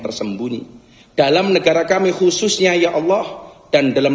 tersembunyi dalam negara kami khususnya ya allah dan dalam